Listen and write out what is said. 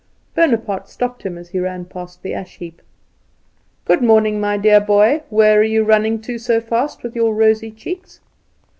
Bonaparte stopped him as he ran past the ash heap. "Good morning, my dear boy. Where are you running to so fast with your rosy cheeks?"